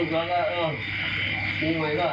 ฆ่าในร้านเลย